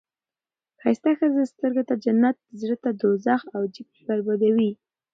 ښایسته ښځه سترګو ته جنت، زړه ته دوزخ او جیب بربادي وي.